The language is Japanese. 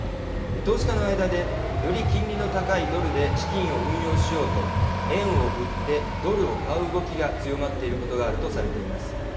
投資家の間でより金利の高いドルで資金を運用しようと円を売ってドルを買う動きが強まっていることがあるとされています。